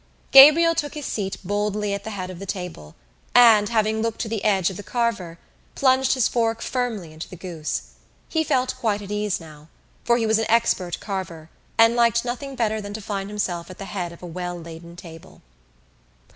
Gabriel took his seat boldly at the head of the table and, having looked to the edge of the carver, plunged his fork firmly into the goose. He felt quite at ease now for he was an expert carver and liked nothing better than to find himself at the head of a well laden table.